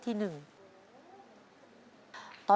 ฮาวะละพร้อม